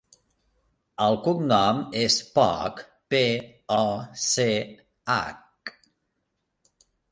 El cognom és Poch: pe, o, ce, hac.